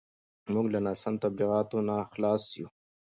موږ له ناسم تبلیغاتو نه خلاص یو.